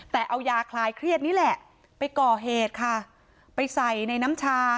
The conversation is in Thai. แต่เอายาคลายเครียดนี่แหละไปก่อเหตุค่ะไปใส่ในน้ำชา